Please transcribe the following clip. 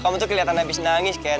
kamu tuh keliatan abis nangis kan